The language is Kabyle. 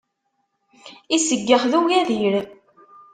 Iseggex d ugadir.